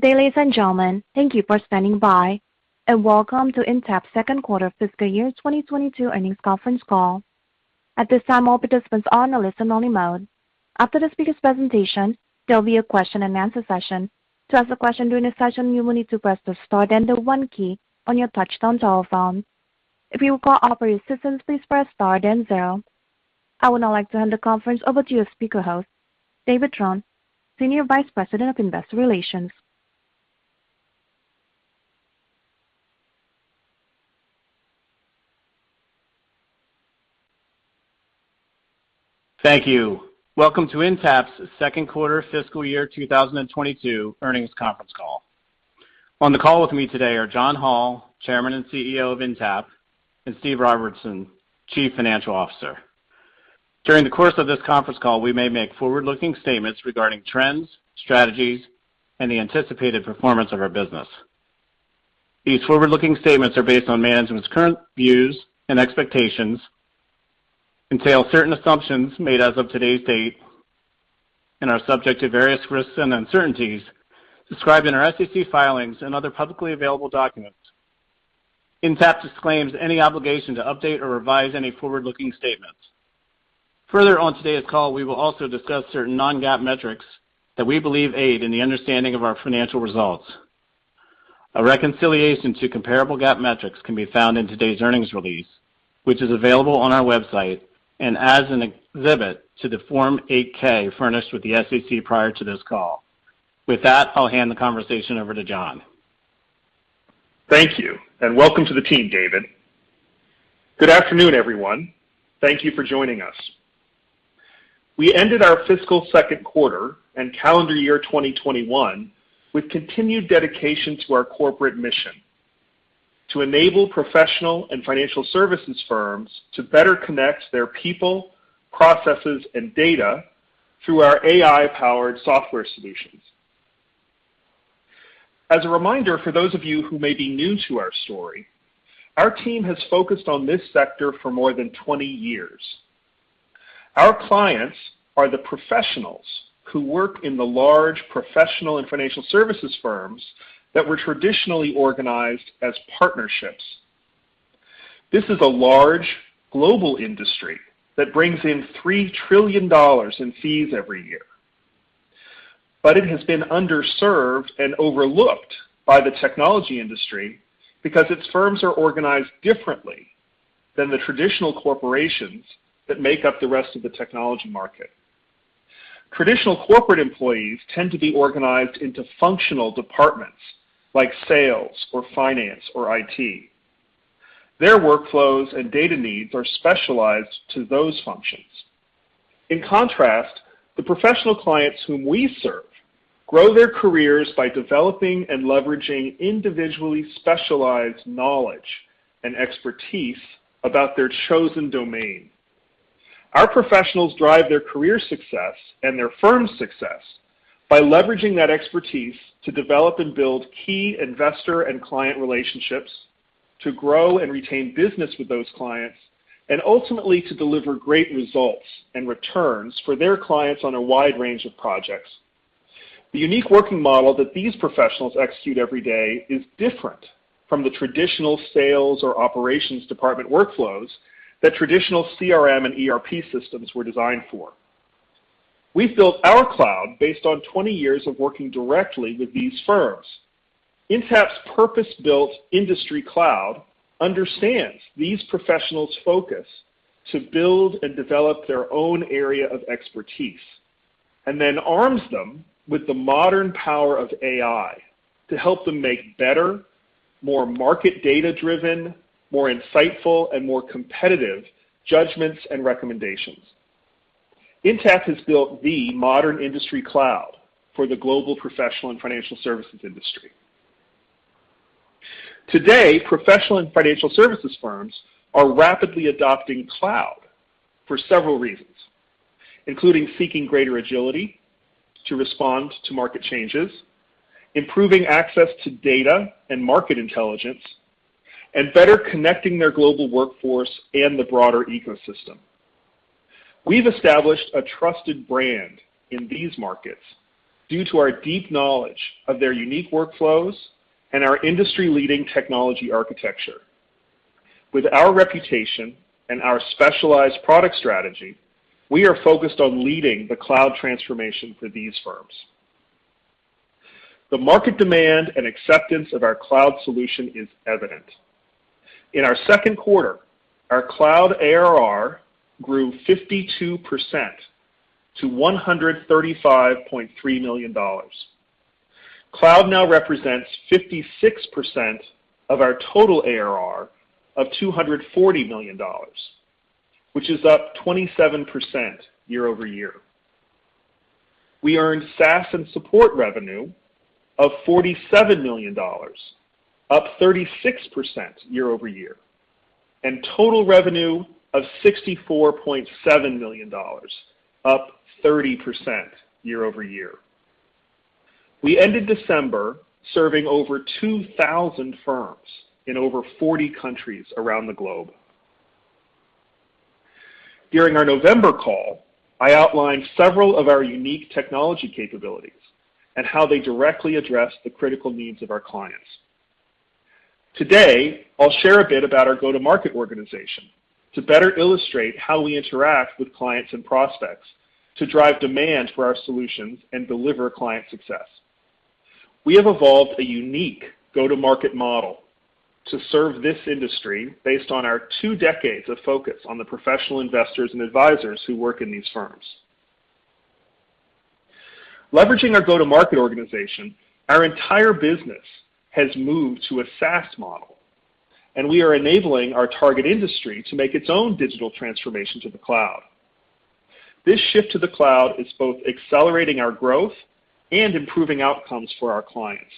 Good day, ladies and gentlemen. Thank you for standing by, and welcome to Intapp Q2 fiscal year 2022 earnings conference call. At this time, all participants are on a listen-only mode. After the speaker's presentation, there'll be a question and answer session. To ask a question during the session, you will need to press the star then the one key on your touchtone telephone. If you require operator assistance, please press star then zero. I would now like to hand the conference over to your speaker host, David Trone, Senior Vice President of Investor Relations. Thank you. Welcome to Intapp's Q2 fiscal year 2022 earnings conference call. On the call with me today are John Hall, Chairman and CEO of Intapp, and Steph Robertson, Chief Financial Officer. During the course of this conference call, we may make forward-looking statements regarding trends, strategies, and the anticipated performance of our business. These forward-looking statements are based on management's current views and expectations, entail certain assumptions made as of today's date, and are subject to various risks and uncertainties described in our SEC filings and other publicly available documents. Intapp disclaims any obligation to update or revise any forward-looking statements. Further on today's call, we will also discuss certain non-GAAP metrics that we believe aid in the understanding of our financial results. A reconciliation to comparable GAAP metrics can be found in today's earnings release, which is available on our website and as an exhibit to the Form 8-K furnished with the SEC prior to this call. With that, I'll hand the conversation over to John. Thank you, and welcome to the team, David. Good afternoon, everyone. Thank you for joining us. We ended our fiscal Q2 and calendar year 2021 with continued dedication to our corporate mission to enable professional and financial services firms to better connect their people, processes, and data through our AI-powered software solutions. As a reminder for those of you who may be new to our story, our team has focused on this sector for more than 20 years. Our clients are the professionals who work in the large professional and financial services firms that were traditionally organized as partnerships. This is a large global industry that brings in $3 trillion in fees every year. It has been underserved and overlooked by the technology industry because its firms are organized differently than the traditional corporations that make up the rest of the technology market. Traditional corporate employees tend to be organized into functional departments like sales or finance or IT. Their workflows and data needs are specialized to those functions. In contrast, the professional clients whom we serve grow their careers by developing and leveraging individually specialized knowledge and expertise about their chosen domain. Our professionals drive their career success and their firm's success by leveraging that expertise to develop and build key investor and client relationships, to grow and retain business with those clients, and ultimately to deliver great results and returns for their clients on a wide range of projects. The unique working model that these professionals execute every day is different from the traditional sales or operations department workflows that traditional CRM and ERP systems were designed for. We've built our Cloud-based on 20 years of working directly with these firms. Intapp's purpose-built industry Cloud understands these professionals' focus to build and develop their own area of expertise, and then arms them with the modern power of AI to help them make better, more market data-driven, more insightful, and more competitive judgments and recommendations. Intapp has built the modern industry Cloud for the global professional and financial services industry. Today, professional and financial services firms are rapidly adopting Cloud for several reasons, including seeking greater agility to respond to market changes, improving access to data and market intelligence, and better connecting their global workforce and the broader ecosystem. We've established a trusted brand in these markets due to our deep knowledge of their unique workflows and our industry-leading technology architecture. With our reputation and our specialized product strategy, we are focused on leading the Cloud transformation for these firms. The market demand and acceptance of our Cloud solution is evident. In our Q2, our Cloud ARR grew 52% to $135.3 million. Cloud now represents 56% of our total ARR of $240 million, which is up 27% year-over-year. We earned SaaS and support revenue of $47 million, up 36% year-over-year, and total revenue of $64.7 million, up 30% year-over-year. We ended December serving over 2,000 firms in over 40 countries around the globe. During our November call, I outlined several of our unique technology capabilities and how they directly address the critical needs of our clients. Today, I'll share a bit about our go-to-market organization to better illustrate how we interact with clients and prospects to drive demand for our solutions and deliver client success. We have evolved a unique go-to-market model to serve this industry based on our two decades of focus on the professional investors and advisors who work in these firms. Leveraging our go-to-market organization, our entire business has moved to a SaaS model, and we are enabling our target industry to make its own digital transformation to the Cloud. This shift to the Cloud is both accelerating our growth and improving outcomes for our clients,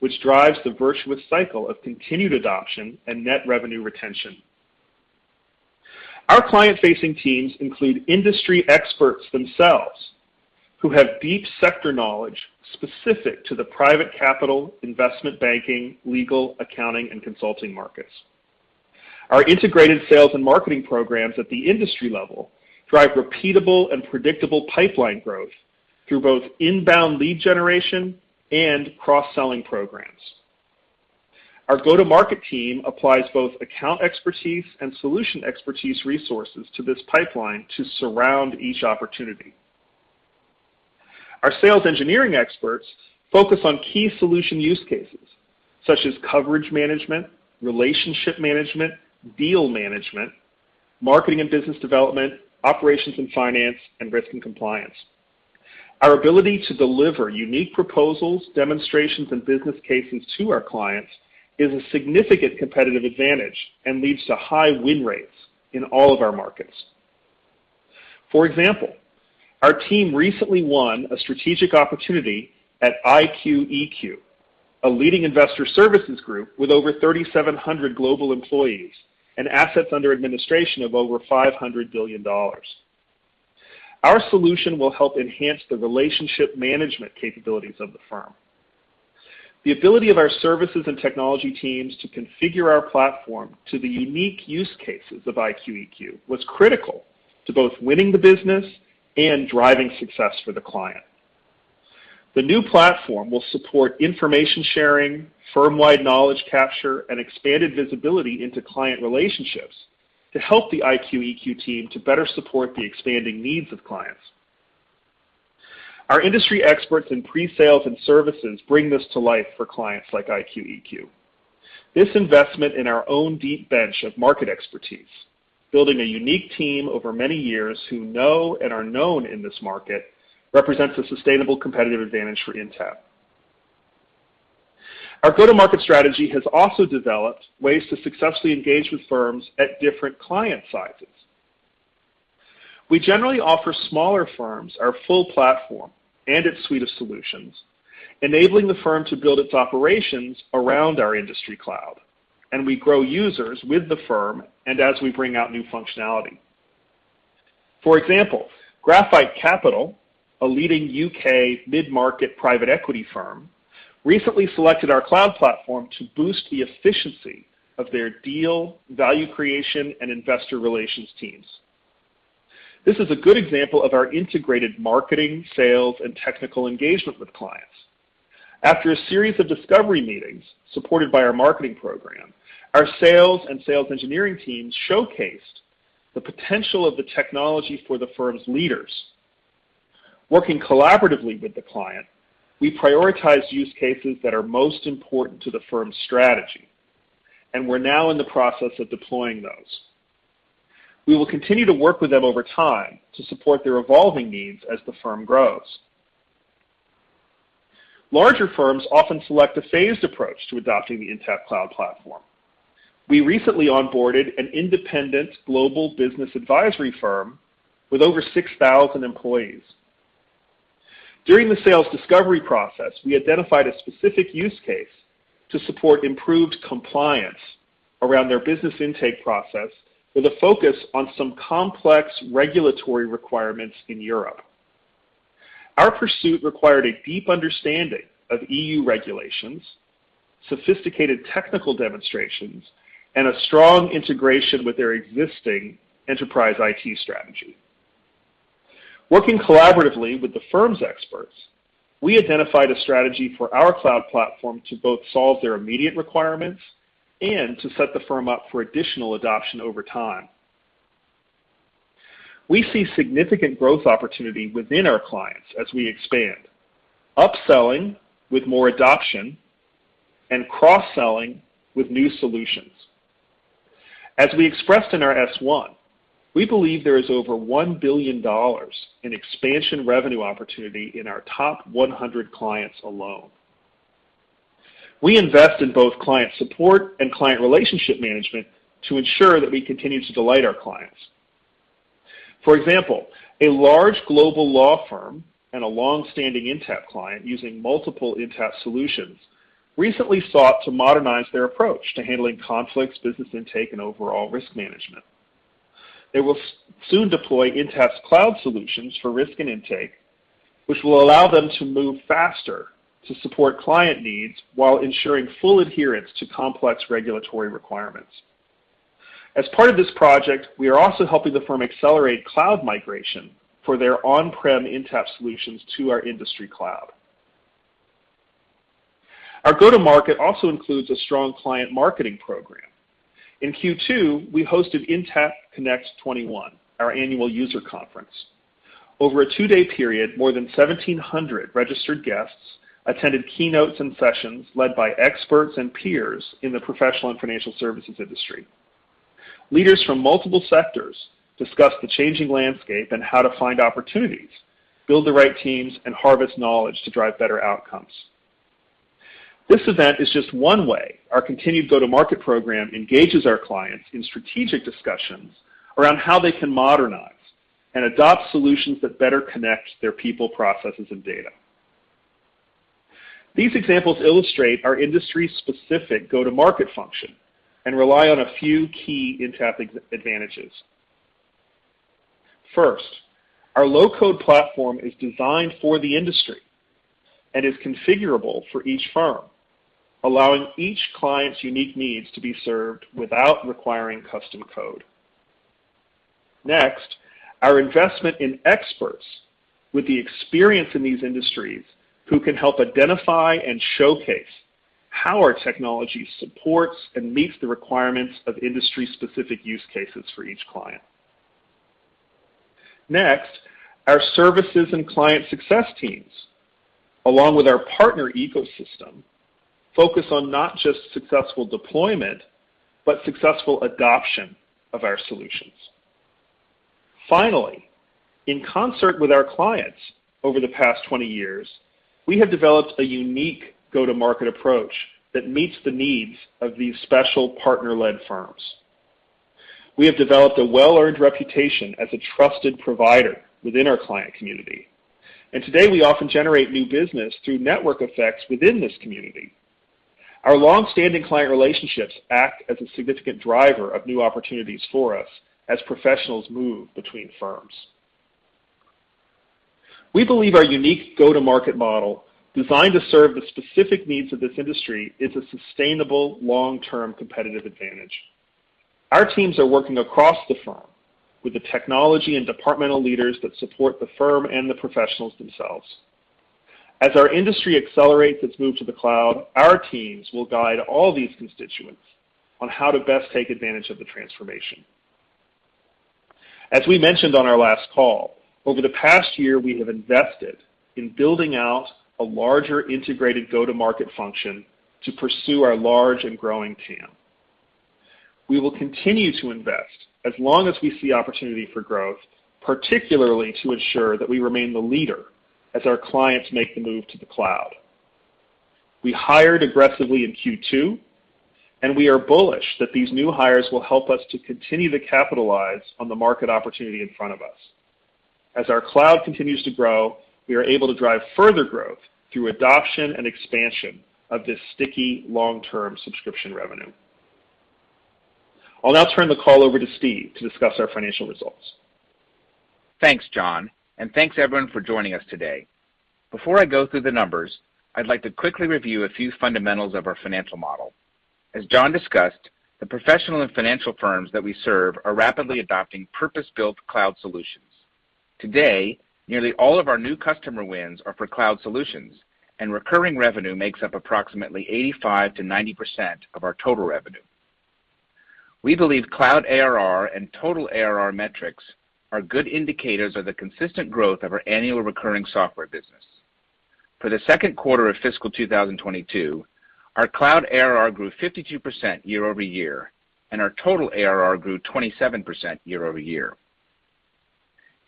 which drives the virtuous cycle of continued adoption and net revenue retention. Our client-facing teams include industry experts themselves who have deep sector knowledge specific to the private capital, investment banking, legal, accounting, and consulting markets. Our integrated sales and marketing programs at the industry level drive repeatable and predictable pipeline growth through both inbound lead generation and cross-selling programs. Our go-to-market team applies both account expertise and solution expertise resources to this pipeline to surround each opportunity. Our sales engineering experts focus on key solution use cases, such as coverage management, relationship management, deal management, marketing and business development, operations and finance, and risk and compliance. Our ability to deliver unique proposals, demonstrations, and business cases to our clients is a significant competitive advantage and leads to high win rates in all of our markets. For example, our team recently won a strategic opportunity at IQ-EQ, a leading investor services group with over 3,700 global employees and assets under administration of over $500 billion. Our solution will help enhance the relationship management capabilities of the firm. The ability of our services and technology teams to configure our platform to the unique use cases of IQ-EQ was critical to both winning the business and driving success for the client. The new platform will support information sharing, firm-wide knowledge capture, and expanded visibility into client relationships to help the IQ-EQ team to better support the expanding needs of clients. Our industry experts in pre-sales and services bring this to life for clients like IQ-EQ. This investment in our own deep bench of market expertise, building a unique team over many years who know and are known in this market, represents a sustainable competitive advantage for Intapp. Our go-to-market strategy has also developed ways to successfully engage with firms at different client sizes. We generally offer smaller firms our full platform and its suite of solutions, enabling the firm to build its operations around our industry Cloud, and we grow users with the firm and as we bring out new functionality. For example, Graphite Capital, a leading U.K. mid-market private equity firm, recently selected our Cloud platform to boost the efficiency of their deal, value creation, and investor relations teams. This is a good example of our integrated marketing, sales, and technical engagement with clients. After a series of discovery meetings supported by our marketing program, our sales and sales engineering teams showcased the potential of the technology for the firm's leaders. Working collaboratively with the client, we prioritize use cases that are most important to the firm's strategy, and we're now in the process of deploying those. We will continue to work with them over time to support their evolving needs as the firm grows. Larger firms often select a phased approach to adopting the Intapp Cloud platform. We recently onboarded an independent global business advisory firm with over 6,000 employees. During the sales discovery process, we identified a specific use case to support improved compliance around their business intake process with a focus on some complex regulatory requirements in Europe. Our pursuit required a deep understanding of E.U. regulations, sophisticated technical demonstrations, and a strong integration with their existing enterprise IT strategy. Working collaboratively with the firm's experts, we identified a strategy for our Cloud platform to both solve their immediate requirements and to set the firm up for additional adoption over time. We see significant growth opportunity within our clients as we expand, upselling with more adoption and cross-selling with new solutions. As we expressed in our S-1, we believe there is over $1 billion in expansion revenue opportunity in our top 100 clients alone. We invest in both client support and client relationship management to ensure that we continue to delight our clients. For example, a large global law firm and a long-standing Intapp client using multiple Intapp solutions recently sought to modernize their approach to handling conflicts, business intake, and overall risk management. They will soon deploy Intapp's Cloud solutions for risk and intake, which will allow them to move faster to support client needs while ensuring full adherence to complex regulatory requirements. As part of this project, we are also helping the firm accelerate Cloud migration for their on-prem Intapp solutions to our industry Cloud. Our go-to-market also includes a strong client marketing program. In Q2, we hosted Intapp Connect21, our annual user conference. Over a two-day period, more than 1,700 registered guests attended keynotes and sessions led by experts and peers in the professional and financial services industry. Leaders from multiple sectors discussed the changing landscape and how to find opportunities, build the right teams, and harvest knowledge to drive better outcomes. This event is just one way our continued go-to-market program engages our clients in strategic discussions around how they can modernize and adopt solutions that better connect their people, processes, and data. These examples illustrate our industry-specific go-to-market function and rely on a few key Intapp advantages. First, our low-code platform is designed for the industry and is configurable for each firm, allowing each client's unique needs to be served without requiring custom code. Next, our investment in experts with the experience in these industries who can help identify and showcase how our technology supports and meets the requirements of industry-specific use cases for each client. Next, our services and client success teams, along with our partner ecosystem, focus on not just successful deployment, but successful adoption of our solutions. Finally, in concert with our clients over the past 20 years, we have developed a unique go-to-market approach that meets the needs of these special partner-led firms. We have developed a well-earned reputation as a trusted provider within our client community, and today, we often generate new business through network effects within this community. Our long-standing client relationships act as a significant driver of new opportunities for us as professionals move between firms. We believe our unique go-to-market model, designed to serve the specific needs of this industry, is a sustainable long-term competitive advantage. Our teams are working across the firm with the technology and departmental leaders that support the firm and the professionals themselves. As our industry accelerates its move to the Cloud, our teams will guide all these constituents on how to best take advantage of the transformation. As we mentioned on our last call, over the past year, we have invested in building out a larger integrated go-to-market function to pursue our large and growing TAM. We will continue to invest as long as we see opportunity for growth, particularly to ensure that we remain the leader as our clients make the move to the Cloud. We hired aggressively in Q2, and we are bullish that these new hires will help us to continue to capitalize on the market opportunity in front of us. As our Cloud continues to grow, we are able to drive further growth through adoption and expansion of this sticky long-term subscription revenue. I'll now turn the call over to Steph to discuss our financial results. Thanks, John, and thanks everyone for joining us today. Before I go through the numbers, I'd like to quickly review a few fundamentals of our financial model. As John discussed, the professional and financial firms that we serve are rapidly adopting purpose-built Cloud solutions. Today, nearly all of our new customer wins are for Cloud solutions, and recurring revenue makes up approximately 85% to 90% of our total revenue. We believe Cloud ARR and total ARR metrics are good indicators of the consistent growth of our annual recurring software business. For the Q2 of fiscal 2022, our Cloud ARR grew 52% year-over-year, and our total ARR grew 27% year-over-year.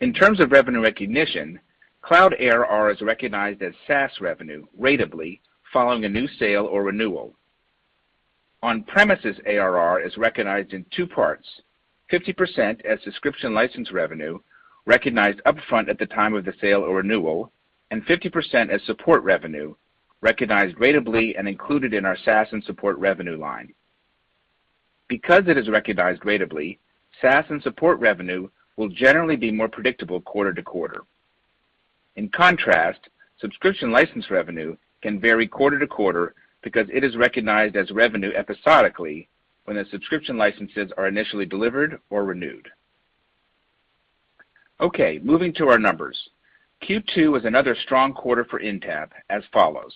In terms of revenue recognition, Cloud ARR is recognized as SaaS revenue ratably following a new sale or renewal. On-premises ARR is recognized in two parts: 50% as subscription license revenue, recognized upfront at the time of the sale or renewal, and 50% as support revenue, recognized ratably and included in our SaaS and support revenue line. Because it is recognized ratably, SaaS and support revenue will generally be more predictable quarter-to-quarter. In contrast, subscription license revenue can vary quarter-to-quarter because it is recognized as revenue episodically when the subscription licenses are initially delivered or renewed. Okay, moving to our numbers. Q2 was another strong quarter for Intapp as follows.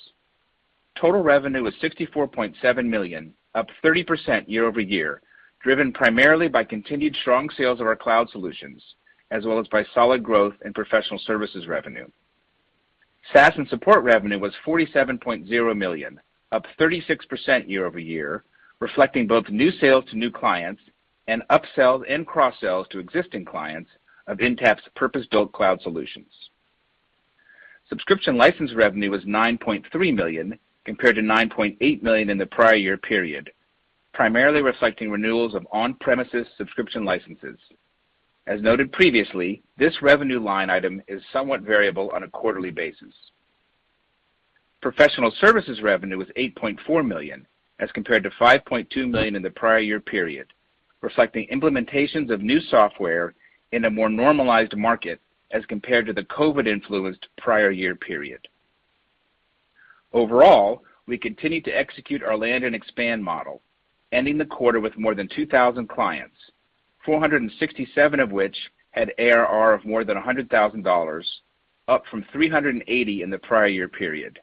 Total revenue was $64.7 million, up 30% year-over-year, driven primarily by continued strong sales of our Cloud solutions, as well as by solid growth in professional services revenue. SaaS and support revenue was $47.0 million, up 36% year-over-year, reflecting both new sales to new clients and upsells and cross-sells to existing clients of Intapp's purpose-built Cloud solutions. Subscription license revenue was $9.3 million compared to $9.8 million in the prior year period, primarily reflecting renewals of on-premises subscription licenses. As noted previously, this revenue line item is somewhat variable on a quarterly basis. Professional services revenue was $8.4 million as compared to $5.2 million in the prior year period, reflecting implementations of new software in a more normalized market as compared to the COVID-influenced prior year period. Overall, we continue to execute our land and expand model, ending the quarter with more than 2,000 clients, 467 of which had ARR of more than $100,000, up from $380,000 in the prior year period.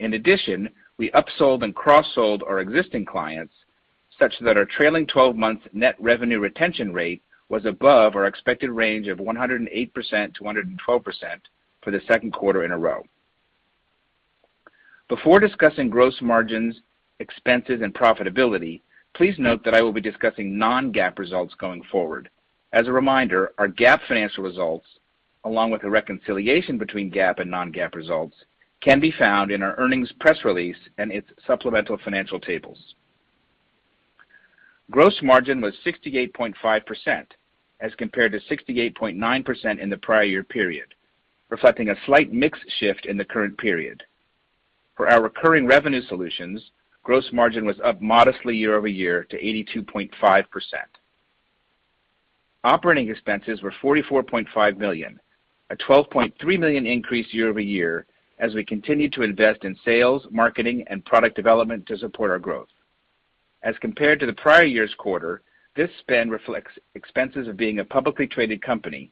In addition, we upsold and cross-sold our existing clients such that our trailing 12-month net revenue retention rate was above our expected range of 108% to 112% for the Q2 in a row. Before discussing gross margins, expenses, and profitability, please note that I will be discussing non-GAAP results going forward. As a reminder, our GAAP financial results, along with a reconciliation between GAAP and non-GAAP results, can be found in our earnings press release and its supplemental financial tables. Gross margin was 68.5% as compared to 68.9% in the prior year period, reflecting a slight mix shift in the current period. For our recurring revenue solutions, gross margin was up modestly year-over-year to 82.5%. Operating expenses were $44.5 million, a $12.3 million increase year-over-year as we continued to invest in sales, marketing, and product development to support our growth. As compared to the prior year's quarter, this spend reflects expenses of being a publicly traded company,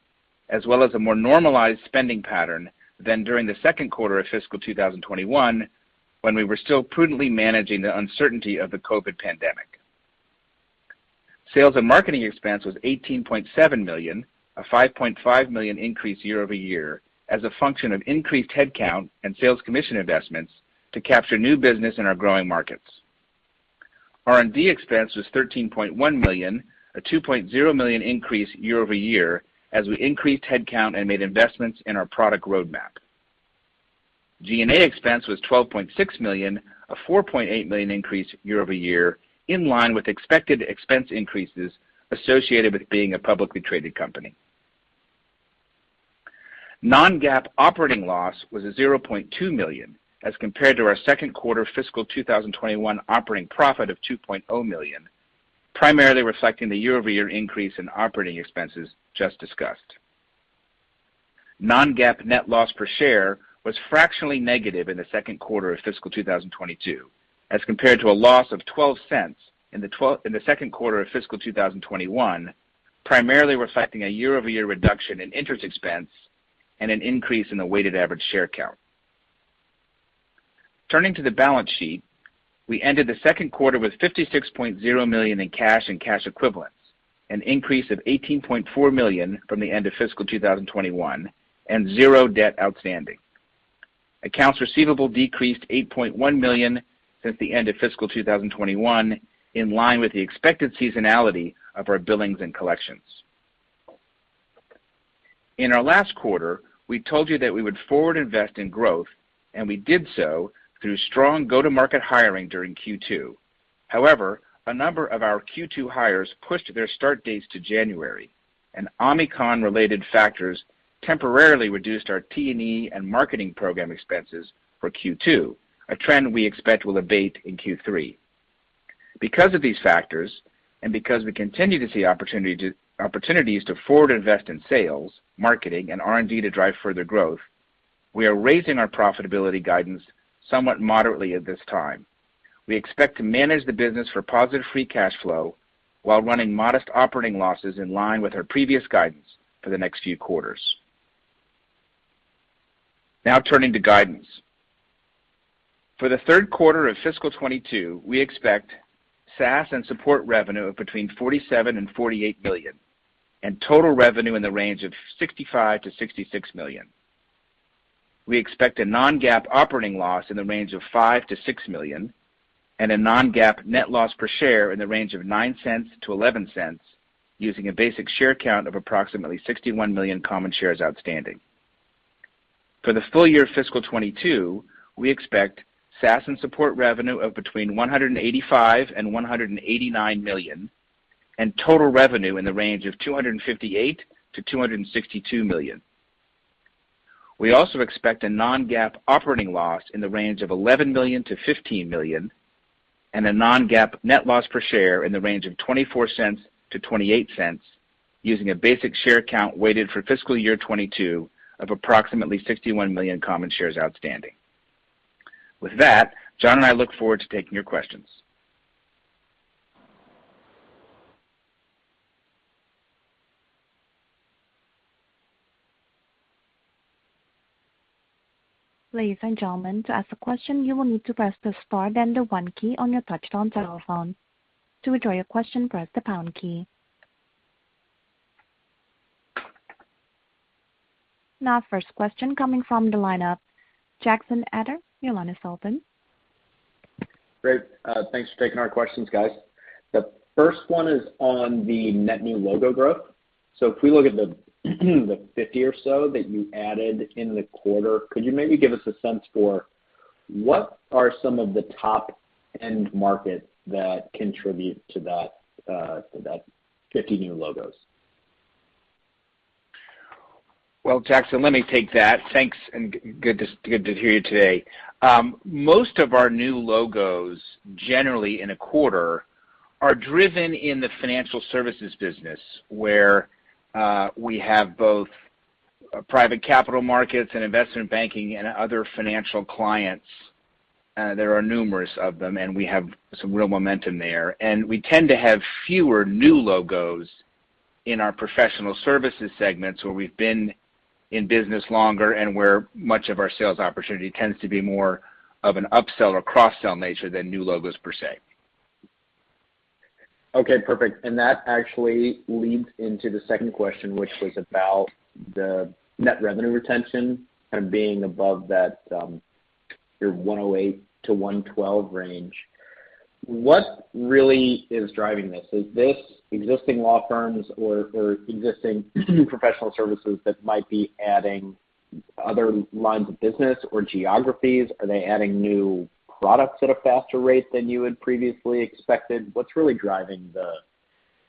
as well as a more normalized spending pattern than during the Q2 of fiscal 2021, when we were still prudently managing the uncertainty of the COVID pandemic. Sales and marketing expense was $18.7 million, a $5.5 million increase year-over-year as a function of increased headcount and sales commission investments to capture new business in our growing markets. R&D expense was $13.1 million, a $2.0 million increase year-over-year as we increased headcount and made investments in our product roadmap. SG&A expense was $12.6 million, a $4.8 million increase year-over-year in line with expected expense increases associated with being a publicly traded company. Non-GAAP operating loss was $0.2 million as compared to our Q2 fiscal 2021 operating profit of $2.0 million, primarily reflecting the year-over-year increase in operating expenses just discussed. Non-GAAP net loss per share was fractionally negative in the Q2 of fiscal 2022 as compared to a loss of $0.12 in the Q2 of fiscal 2021, primarily reflecting a year-over-year reduction in interest expense and an increase in the weighted average share count. Turning to the balance sheet, we ended the Q2 with $56.0 million in cash and cash equivalents, an increase of $18.4 million from the end of fiscal 2021, and zero debt outstanding. Accounts receivable decreased $8.1 million since the end of fiscal 2021, in line with the expected seasonality of our billings and collections. In our last quarter, we told you that we would forward invest in growth, and we did so through strong go-to-market hiring during Q2. However, a number of our Q2 hires pushed their start dates to January, and Omicron-related factors temporarily reduced our T&E and marketing program expenses for Q2, a trend we expect will abate in Q3. Because of these factors, and because we continue to see opportunities to forward invest in sales, marketing, and R&D to drive further growth, we are raising our profitability guidance somewhat moderately at this time. We expect to manage the business for positive free cash flow while running modest operating losses in line with our previous guidance for the next few quarters. Now turning to guidance. For the Q3 of fiscal 2022, we expect SaaS and support revenue of between $47 million and $48 million and total revenue in the range of $65 to 66 million. We expect a non-GAAP operating loss in the range of $5 to 6 million and a non-GAAP net loss per share in the range of $0.09 to $0.11 using a basic share count of approximately $61 million common shares outstanding. For the full year fiscal 2022, we expect SaaS and support revenue of between $185 million and $189 million and total revenue in the range of $258 to 262 million. We also expect a non-GAAP operating loss in the range of $11 to 15 million and a non-GAAP net loss per share in the range of $0.24 to $0.28 using a basic share count weighted for fiscal year 2022 of approximately $61 million common shares outstanding. With that, John and I look forward to taking your questions. Ladies and gentlemen, to ask a question, you will need to press the star then the one key on your touchtone telephone. To withdraw your question, press the pound key. Now, first question coming from the lineup, Jackson Ader. Your line is open. Great. Thanks for taking our questions, guys. The first one is on the net new logo growth. If we look at the 50 or so that you added in the quarter, could you maybe give us a sense for what are some of the top end markets that contribute to that, to that 50 new logos? Well, Jackson, let me take that. Thanks, and good to hear you today. Most of our new logos, generally in a quarter, are driven in the financial services business, where we have both private capital markets and investment banking and other financial clients. There are numerous of them, and we have some real momentum there and we tend to have fewer new logos in our professional services segments where we've been in business longer and where much of our sales opportunity tends to be more of an upsell or cross-sell nature than new logos per se. Okay, perfect. That actually leads into the second question, which was about the net revenue retention?kind of being above that, your 108% to 112% range. What really is driving this? Is this existing law firms or existing professional services that might be adding other lines of business or geographies? Are they adding new products at a faster rate than you had previously expected? What's really driving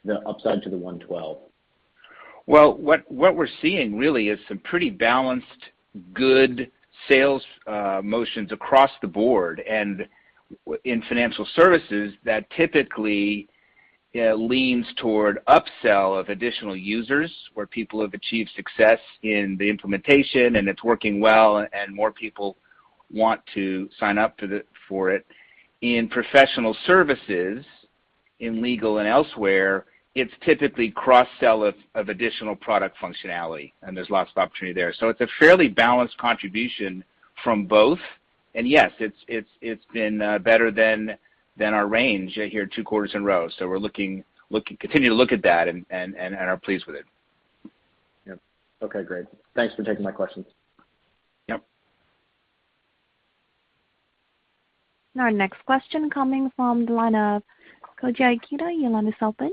the upside to the 112%? Well, what we're seeing really is some pretty balanced good sales motions across the board. In financial services, that typically leans toward upsell of additional users where people have achieved success in the implementation, and it's working well and more people want to sign up for it. In professional services, in legal and elsewhere, it's typically cross-sell of additional product functionality, and there's lots of opportunity there. It's a fairly balanced contribution from both and yes, it's been better than our range here two quarters in a row so we're continuing to look at that and are pleased with it. Yep. Okay, great. Thanks for taking my questions. Yep. Our next question coming from the line of Koji Ikeda. Your line is open.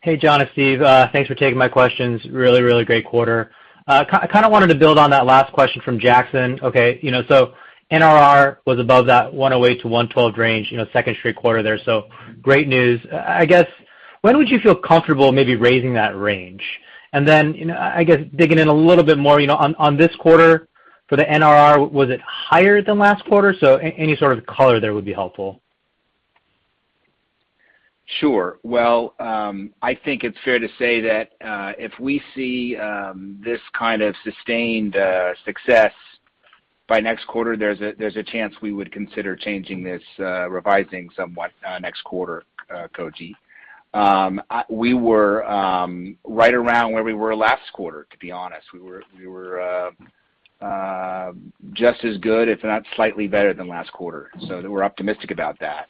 Hey, John and Steph. Thanks for taking my questions. Really great quarter. Kind of wanted to build on that last question from Jackson okay, you know, NRR was above that 100%- to 112% range, you know, second straight quarter there, great news. I guess when would you feel comfortable maybe raising that range? You know, I guess digging in a little bit more, you know, on this quarter for the NRR, was it higher than last quarter? Any sort of color there would be helpful. Sure. Well, I think it's fair to say that if we see this kind of sustained success by next quarter, there's a chance we would consider changing this, revising somewhat next quarter, Koji. We were right around where we were last quarter, to be honest. We were just as good, if not slightly better than last quarter. We're optimistic about that.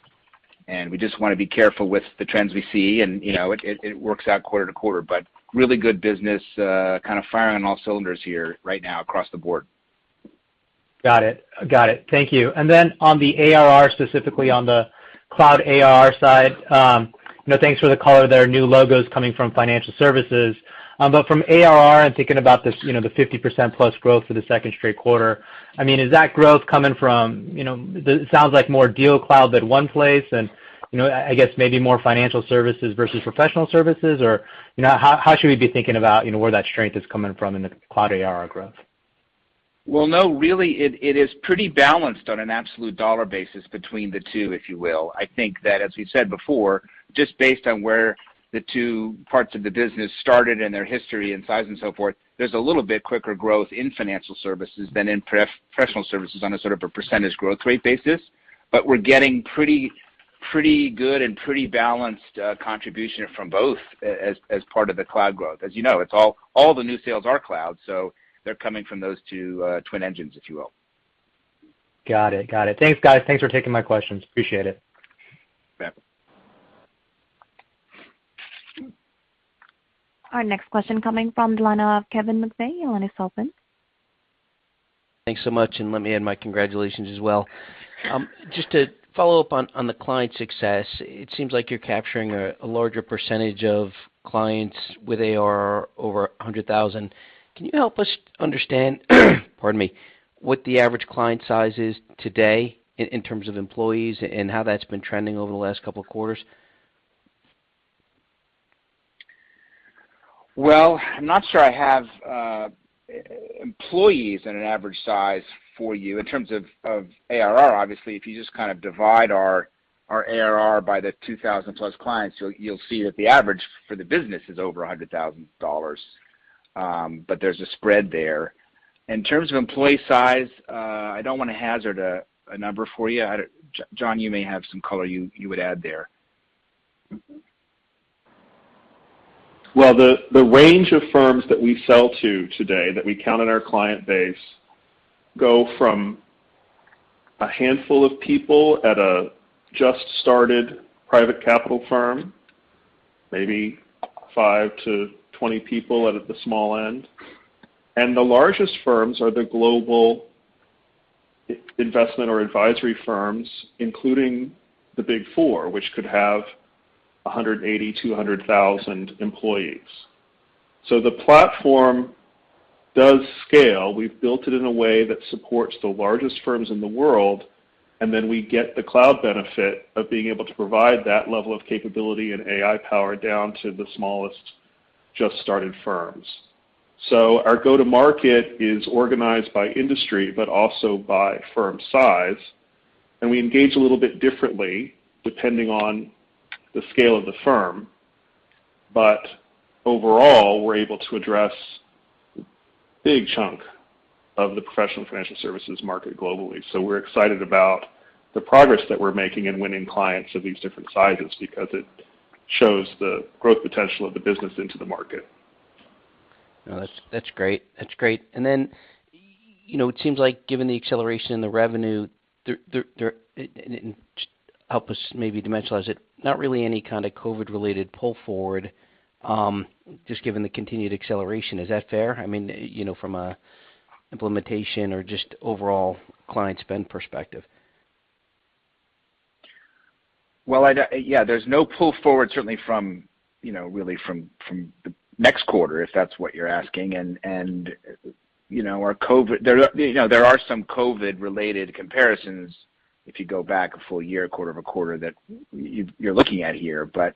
We just wanna be careful with the trends we see and, you know, it works out quarter-to-quarter, but really good business kind of firing on all cylinders here right now across the board. Got it. Thank you and then the ARR, specifically on the Cloud ARR side, you know, thanks for the color there are new logos coming from financial services. From ARR and thinking about this, you know, the +50% growth for the second straight quarter, I mean, is that growth coming from, you know, sounds like more DealCloud than OnePlace and, you know, I guess maybe more financial services versus professional services or, you know, how should we be thinking about, you know, where that strength is coming from in the Cloud ARR growth? Well, no, really it is pretty balanced on an absolute dollar basis between the two, if you will i think that, as we've said before, just based on where the two parts of the business started and their history and size and so forth, there's a little bit quicker growth in financial services than in professional services on a sort of a percentage growth rate basis. We're getting pretty good and pretty balanced contribution from both as part of the Cloud growth as you know, it's all the new sales are Cloud, so they're coming from those two twin engines, if you will. Got it. Thanks, guys. Thanks for taking my questions. Appreciate it. Yep. Our next question coming from the line of Kevin McVeigh. Your line is open. Thanks so much, and let me add my congratulations as well. Just to follow up on the client success, it seems like you're capturing a larger percentage of clients with ARR over $100,000. Can you help us understand? Pardon me, what the average client size is today in terms of employees and how that's been trending over the last couple of quarters? Well, I'm not sure I have employees in an average size for you in terms of ARR obviously, if you just kind of divide our ARR by the 2,000-plus clients, you'll see that the average for the business is over $100,000, but there's a spread there. In terms of employee size, I don't wanna hazard a number for you. John, you may have some color you would add there. Well, the range of firms that we sell to today, that we count in our client base, go from a handful of people at a just started private capital firm, maybe 5 to 20 people at the small end. The largest firms are the global investment or advisory firms, including the Big Four, which could have 180,000 to 200,000 employees. The platform does scale we've built it in a way that supports the largest firms in the world, and then we get the Cloud benefit of being able to provide that level of capability and AI power down to the smallest just-started firms. Our go-to-market is organized by industry but also by firm size, and we engage a little bit differently depending on the scale of the firm. Overall, we're able to address a big chunk of the professional financial services market globally so we're excited about the progress that we're making in winning clients of these different sizes because it shows the growth potential of the business into the market. No, that's great. That's great. Then, you know, it seems like given the acceleration in the revenue there. Help us maybe dimensionalize it, not really any kind of COVID-related pull forward, just given the continued acceleration is that fair? I mean, you know, from a implementation or just overall client spend perspective. Well, I don't yeah, there's no pull forward certainly from, you know, really from the next quarter, if that's what you're asking. You know, or COVID there are, you know, some COVID-related comparisons if you go back a full year, quarter-over-quarter that you're looking at here but,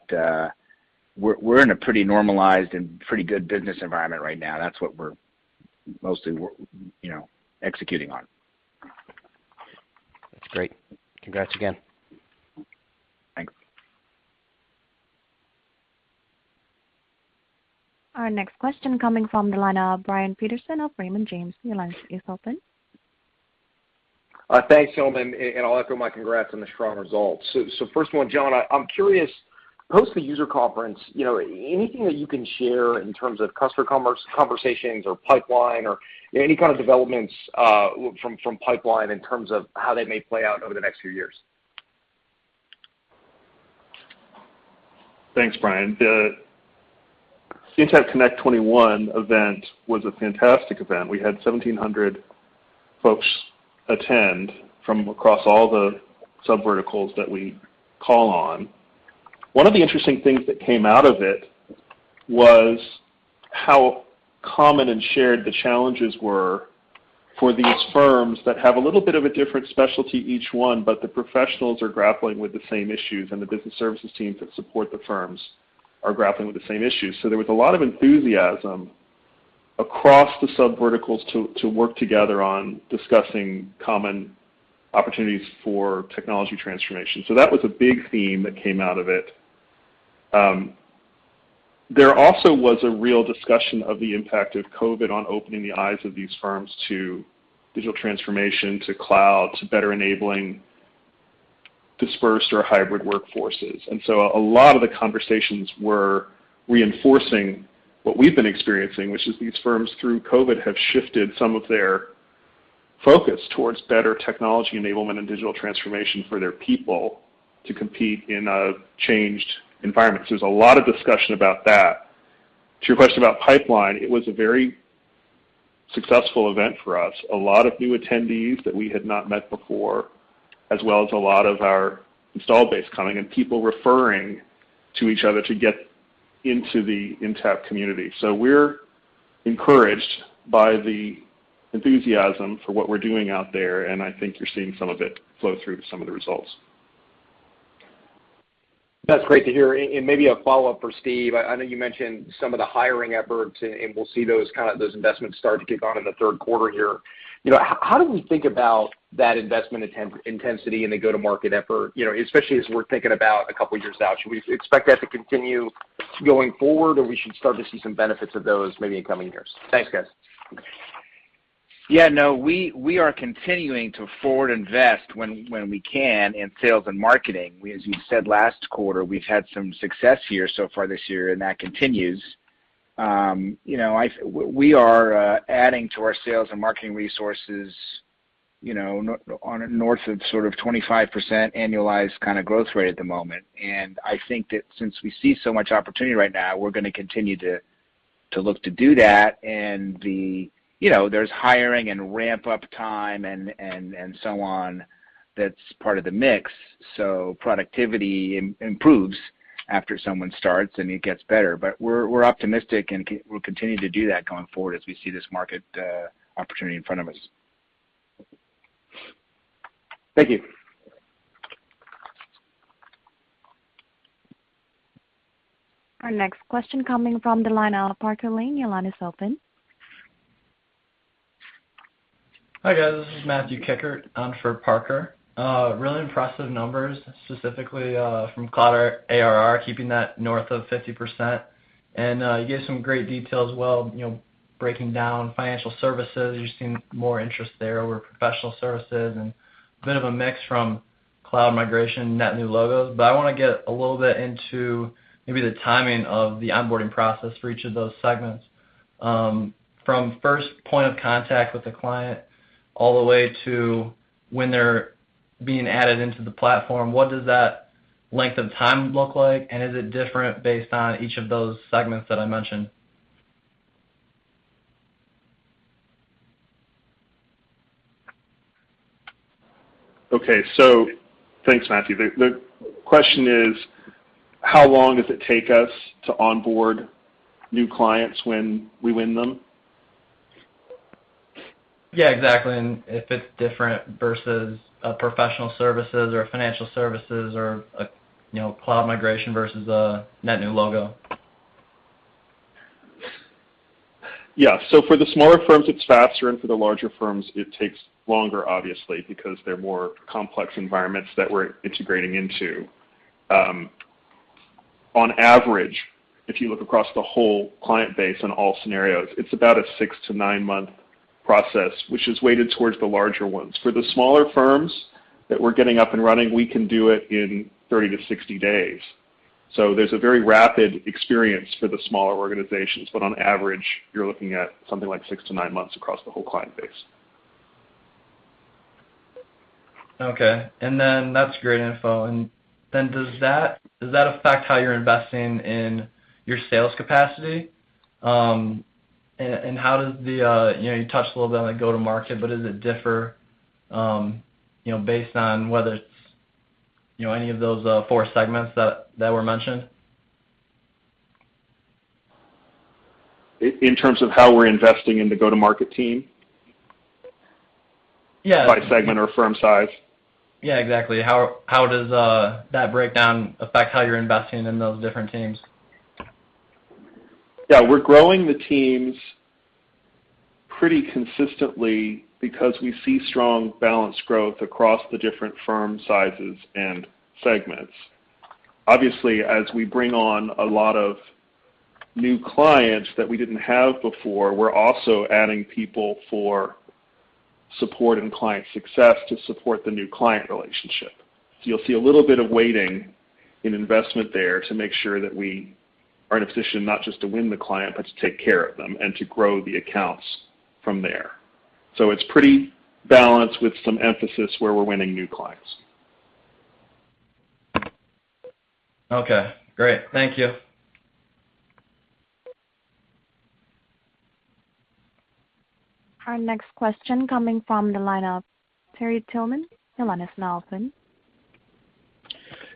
we're in a pretty normalized and pretty good business environment right now that's what we're mostly, you know, executing on. That's great. Congrats again. Thanks. Our next question coming from the line of Brian Peterson of Raymond James. Your line is open. Thanks, gentlemen, and I'll echo my congrats on the strong results so first one, John, I'm curious, post the user conference, you know, anything that you can share in terms of customer comments, conversations or pipeline or any kind of developments from pipeline in terms of how they may play out over the next few years? Thanks, Brian. The Intapp Connect21 event was a fantastic event we had 1,700 folks attend from across all the subverticals that we call on. One of the interesting things that came out of it was how common and shared the challenges were for these firms that have a little bit of a different specialty each one, but the professionals are grappling with the same issues, and the business services teams that support the firms- -are grappling with the same issues so there was a lot of enthusiasm across the subverticals to work together on discussing common opportunities for technology transformation that was a big theme that came out of it. There also was a real discussion of the impact of COVID on opening the eyes of these firms to digital transformation, to Cloud, to better enabling dispersed or hybrid workforces and so a lot of the conversations were reinforcing what we've been experiencing, which is these firms, through COVID, have shifted some of their- -focus towards better technology enablement and digital transformation for their people to compete in a changed environment so there's a lot of discussion about that. To your question about pipeline, it was a very successful event for us a lot of new attendees that we had not met before, as well as a lot of our installed base coming and people referring to each other to get into the Intapp community. We're encouraged by the enthusiasm for what we're doing out there, and I think you're seeing some of it flow through to some of the results. That's great to hear maybe a follow-up for Steph. I know you mentioned some of the hiring efforts, and we'll see those, kind of those investments start to kick on in the Q3 here. You know, how do we think about? that investment intensity and the go-to-market effort, you know, especially as we're thinking about a couple of years out? Should we expect that to continue going forward? Or we should start to see some benefits of those maybe in coming years? Thanks, guys. Yeah, no, we are continuing to forward invest when we can in sales and marketing, as you said last quarter, we've had some success here so far this year, and that continues. You know, we are adding to our sales and marketing resources, you know, north of sort of 25% annualized kinda growth rate at the moment and i think that since we see so much opportunity right now, we're gonna continue to look to do that. You know, there's hiring and ramp-up time and so on that's part of the mix. Productivity improves after someone starts, and it gets better but we're optimistic, and we'll continue to do that going forward as we see this market opportunity in front of us. Thank you. Our next question coming from the line of Parker Lane. Your line is open. Hi, guys, this is Matthew Kikkert for Parker. Really impressive numbers, specifically from Cloud ARR, keeping that north of 50%. You gave some great details, well, you know, breaking down financial services you're seeing more interest there over professional services and a bit of a mix from- Cloud migration, net new logos i wanna get a little bit into maybe the timing of the onboarding process for each of those segments. From first point of contact with the client all the way to when they're being added into the platform, what does that length of time look like? Is it different based on each of those segments that I mentioned? Okay. Thanks, Matthew. The question is, how long does it take us to onboard new clients when we win them? Yeah, exactly. If it's different versus professional services or financial services or, you know, Cloud migration versus a net new logo. Yeah. For the smaller firms, it's faster, and for the larger firms, it takes longer, obviously, because they're more complex environments that we're integrating into. On average, if you look across the whole client base in all scenarios, it's about a six to nine month process, which is weighted towards the larger ones so for the smaller firms that we're getting up and running, we can do it in 30 to 60 days. There's a very rapid experience for the smaller organizations on average, you're looking at something like six to nine months across the whole client base. Okay. That's great info. Does that affect how you're investing in your sales capacity? How does the you know, you touched a little bit on the go-to-market, but does it differ, you know, based on whether it's, you know, any of those four segments that were mentioned? In terms of how we're investing in the go-to-market team? Yeah. By segment or firm size? Yeah, exactly. How does that breakdown affect how you're investing in those different teams? Yeah we're growing the teams pretty consistently because we see strong balanced growth across the different firm sizes and segments. Obviously, as we bring on a lot of new clients that we didn't have before, we're also adding people for support and client success to support the new client relationship. You'll see a little bit of weighting in investment there to make sure that we are in a position not just to win the client, but to take care of them and to grow the accounts from there. It's pretty balanced with some emphasis where we're winning new clients. Okay. Great. Thank you. Our next question coming from the line of Terry Tillman, your line is now open.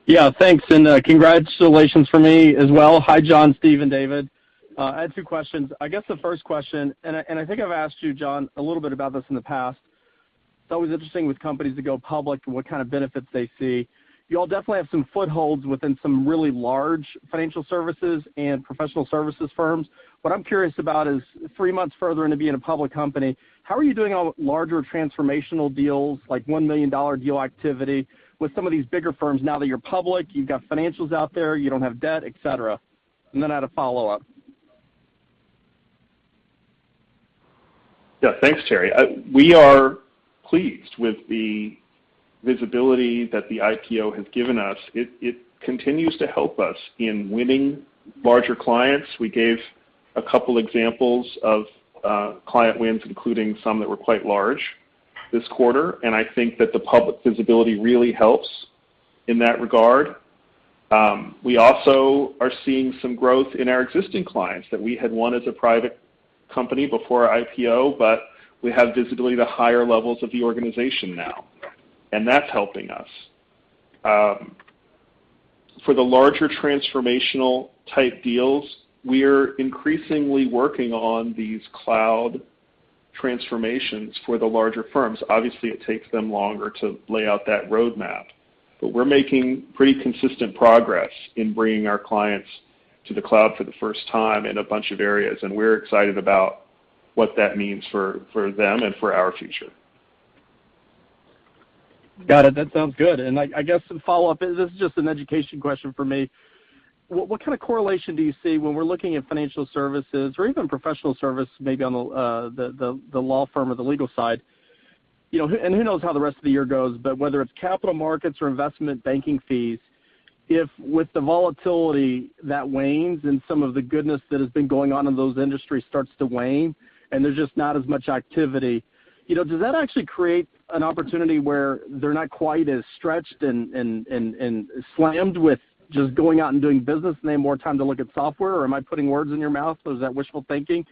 Yeah. Thanks, and, congratulations from me as well hi, John, Steph, and David. I had two questions. I guess the first question, and I think I've asked you, John, a little bit about this in the past. It's always interesting with companies that go public, what kind of benefits they see. You all definitely have some footholds within some really large financial services and professional services firms. What I'm curious about is three months further into being a public company, how are you doing on larger transformational deals? like $1 million deal activity with some of these bigger firms now that you're public, you've got financials out there, you don't have debt, et cetera. Then I had a follow-up. Yeah. Thanks, Terry we are pleased with the visibility that the IPO has given us. It continues to help us in winning larger clients we gave a couple examples of client wins, including some that were quite large this quarter, and I think that the public visibility really helps in that regard. We also are seeing some growth in our existing clients that we had won as a private company before our IPO, but we have visibility to higher levels of the organization now, and that's helping us. For the larger transformational type deals, we are increasingly working on these Cloud transformations for the larger firms obviously, it takes them longer to lay out that roadmap. We're making pretty consistent progress in bringing our clients to the Cloud for the first time in a bunch of areas, and we're excited about what that means for them and for our future. Got it that sounds good i guess the follow-up is, this is just an education question from me. What kind of correlation do you see when we're looking at financial services or even professional service, maybe on the law firm or the legal side? You know, who knows how the rest of the year goes, but whether it's capital markets or investment banking fees, if with the volatility that wanes and some of the goodness that has been going on in those industries starts to wane, and there's just not as much activity, you know, does that actually create an opportunity where they're not quite as stretched and slammed with just going out and doing business and they have more time to look at software? Or am I putting words in your mouth? Was that wishful thinking?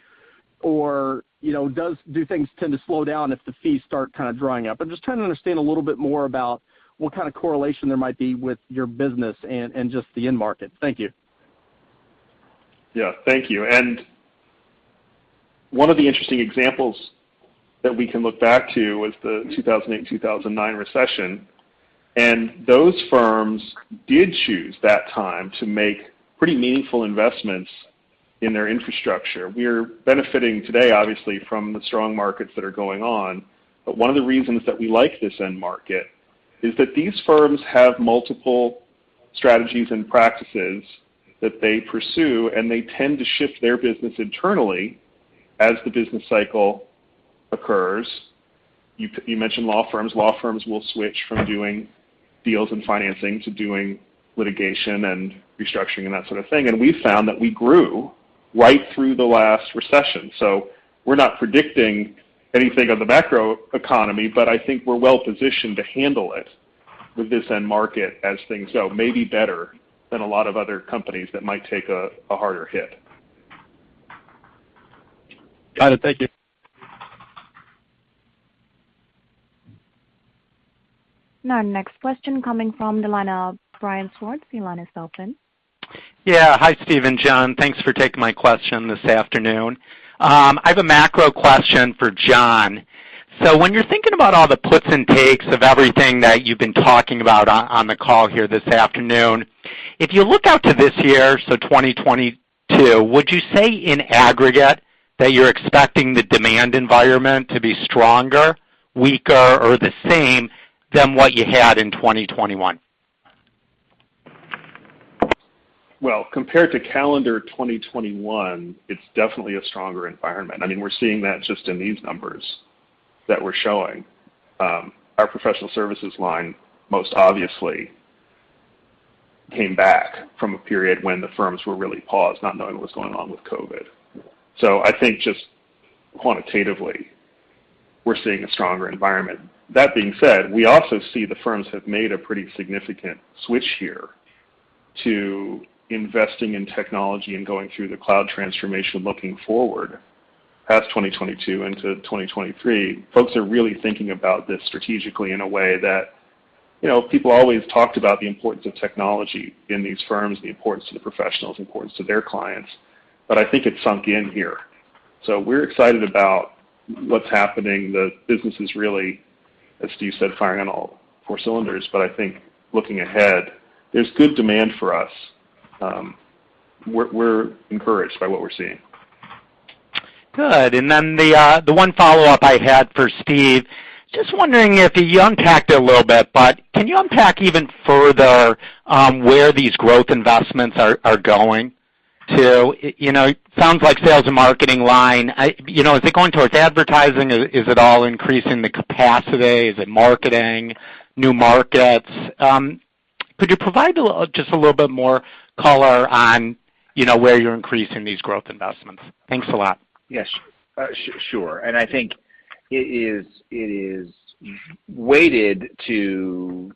You know, do things tend to slow down if the fees start kind of drying up? I'm just trying to understand a little bit more about what kind of correlation there might be with your business and just the end market. Thank you. Yeah. Thank you. One of the interesting examples that we can look back to was the 2008, 2009 recession. Those firms did choose that time to make pretty meaningful investments in their infrastructure we're benefiting today, obviously, from the strong markets that are going on. One of the reasons that we like this end market is that these firms have multiple strategies and practices that they pursue, and they tend to shift their business internally as the business cycle occurs. You mentioned law firms law firms will switch from doing, deals and financing to doing litigation and restructuring and that sort of thing and we found that we grew right through the last recession. We're not predicting anything on the macroeconomy, but I think we're well-positioned to handle it with this end market as things go, maybe better than a lot of other companies that might take a harder hit. Got it. Thank you. Now next question coming from the line of Brian Schwartz. Your line is open. Yeah. Hi, Steph and John. Thanks for taking my question this afternoon. I have a macro question for John. When you're thinking about all the puts and takes of everything that you've been talking about on the call here this afternoon, if you look out to this year, so 2022, would you say in aggregate that you're expecting the demand environment to be stronger? weaker? or the same than what you had in 2021? Well, compared to calendar 2021, it's definitely a stronger environment i mean, we're seeing that just in these numbers that we're showing. Our professional services line most obviously came back from a period when the firms were really paused, not knowing what's going on with COVID. I think just quantitatively, we're seeing a stronger environment. That being said, we also see the firms have made a pretty significant switch here to investing in technology and going through the Cloud transformation looking forward past 2022 into 2023. Folks are really thinking about this strategically in a way that, you know, people always talked about the importance of technology in these firms, the importance to the professionals, importance to their clients, but I think it sunk in here. We're excited about what's happening the business is really, as Steph said, firing on all four cylinders. I think looking ahead, there's good demand for us. We're encouraged by what we're seeing. Good. The one follow-up I had for Steph, just wondering if you unpacked a little bit, but can you unpack even further, where these growth investments are going to? You know, it sounds like sales and marketing line. You know, is it going towards advertising? Is it all increasing the capacity? Is it marketing, new markets? Could you provide just a little bit more color on, you know, where you're increasing these growth investments? Thanks a lot. Yes. Sure and i think it is weighted to,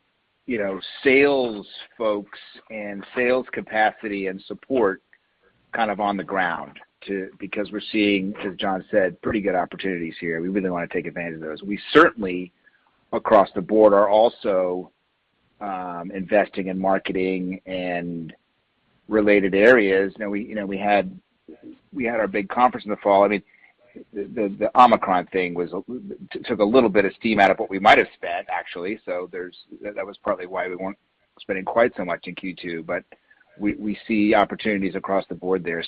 you know, sales folks and sales capacity and support kind of on the ground because we're seeing, as John said, pretty good opportunities here we really wanna take advantage of those we certainly, across the board, are also investing in marketing and related areas you know, we had our big conference in the fall. I mean, the Omicron thing took a little bit of steam out of what we might have spent, actually. That was probably why we weren't spending quite so much in Q2, but we see opportunities across the board there.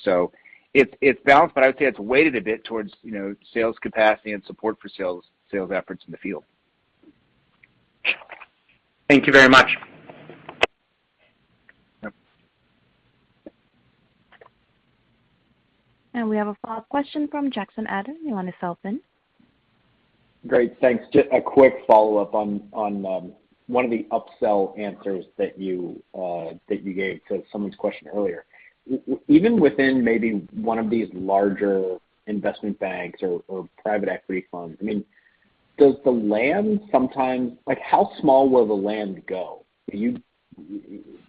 It's balanced, but I would say it's weighted a bit towards, you know, sales capacity and support for sales efforts in the field. Thank you very much. Yep. We have a follow-up question from Jackson Ader. Your line is open. Great. Thanks just a quick follow-up on one of the upsell answers that you gave to someone's question earlier. Even within maybe one of these larger investment banks or private equity funds, I mean, does the land? sometimes like how small will the land go? You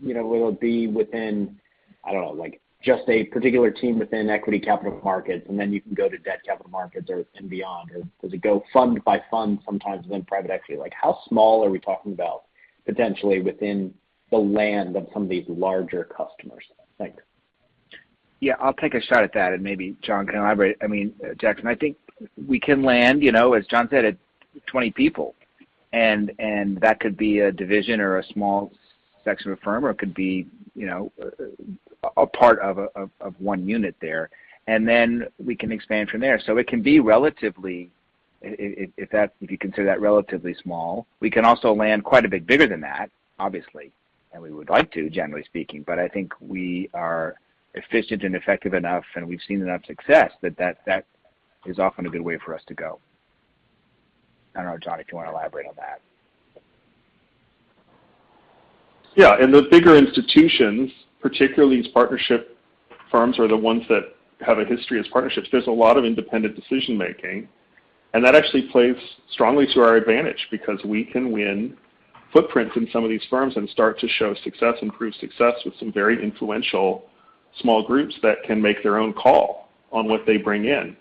know, will it be within, I don't know, like just a particular team within equity capital markets, and then you can go to debt capital markets or and beyond? Or does it go fund by fund sometimes within private equity? Like, how small are we talking about potentially within the land of some of these larger customers? Thanks. Yeah, I'll take a shot at that, and maybe John can elaborate i mean, Jackson, I think we can land, you know, as John said, at 20 people, and that could be a division or a small section of a firm, or it could be, you know, a part of one unit there. Then we can expand from there so it can be relatively, if you consider that relatively small. We can also land quite a bit bigger than that, obviously. We would like to, generally speaking but i think we are efficient and effective enough, and we've seen enough success that that is often a good way for us to go. I don't know, John, if you wanna elaborate on that. Yeah. In the bigger institutions, particularly as partnership firms or the ones that have a history as partnerships, there's a lot of independent decision-making, and that actually plays strongly to our advantage because we can win footprints in some of these firms and start to show success and prove success with some very influential small groups that can make their own call on what they bring in.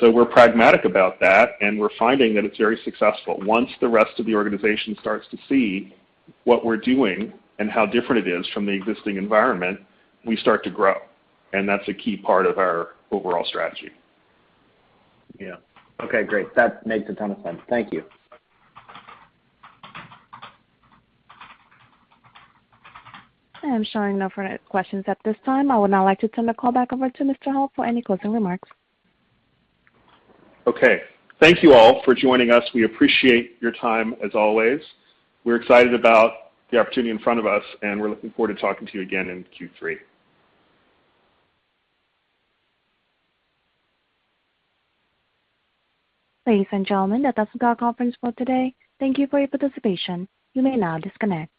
We're pragmatic about that, and we're finding that it's very successful once the rest of the organization starts to see what we're doing and how different it is from the existing environment, we start to grow, and that's a key part of our overall strategy. Yeah. Okay, great. That makes a ton of sense. Thank you. I am showing no further questions at this time i would now like to turn the call back over to Mr. Hall for any closing remarks. Okay. Thank you all for joining us. We appreciate your time as always. We're excited about the opportunity in front of us, and we're looking forward to talking to you again in Q3. Ladies and gentlemen, that does conclude our conference call today. Thank you for your participation. You may now disconnect.